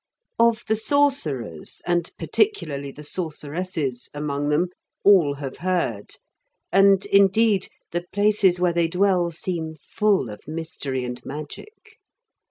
Of the sorcerers, and particularly the sorceresses, among them, all have heard, and, indeed, the places where they dwell seem full of mystery and magic.